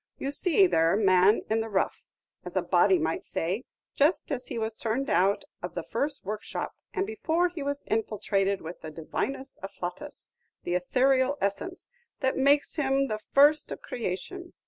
You see there man in the rough, as a body might say, just as he was turned out of the first workshop, and before he was infiltrated with the divinus afflatus, the ethereal essence, that makes him the first of creation.